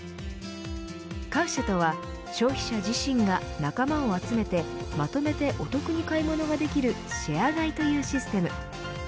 カウシェとは消費者自身が仲間を集めてまとめてお得に買い物ができるシェア買いというシステム。